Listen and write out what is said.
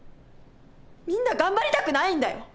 みんな頑張りたくないんだよ！